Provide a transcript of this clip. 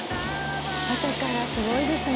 朝からすごいですね。